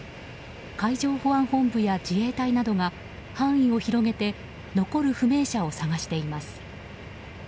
海上保安本部や自衛隊などが範囲を広げて残る不明者を捜しています。